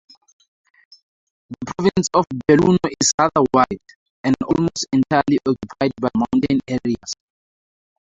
The province of Belluno is rather wide, and almost entirely occupied by mountain areas.